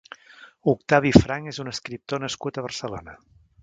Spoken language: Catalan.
Octavi Franch és un escriptor nascut a Barcelona.